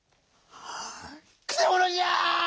くせものじゃ！